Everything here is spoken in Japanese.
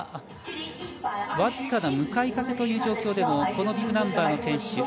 わずかな向かい風という状況でもこのビブナンバーの選手。